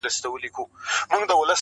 څارنوال ویله پلاره در جارېږم,